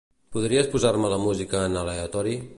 Podries posar-me la música en aleatori?